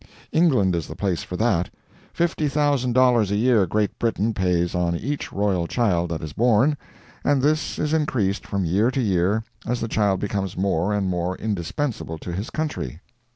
England is the place for that. Fifty thousand dollars a year Great Britain pays on each royal child that is born, and this is increased from year to year as the child becomes more and more indispensable to his country.